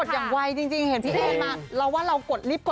กดอย่างวัยจริงเห็นพี่แอนทองผสมเจ้าหญิงแห่งโมงการบันเทิงไทยวัยที่สุดค่ะ